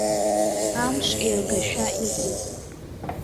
Амш еилгашәа иҟоуп.